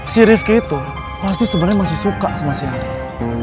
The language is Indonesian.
si rivki itu pasti sebenernya masih suka sama si arief